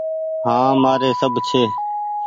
هآن مآري سب ڇي۔